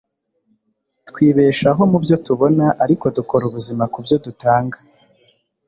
Twibeshaho mubyo tubona, ariko dukora ubuzima kubyo dutanga.